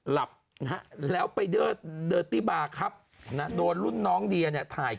หลับนะฮะแล้วไปเดอร์ตี้บาร์ครับนะโดนรุ่นน้องเดียเนี่ยถ่าย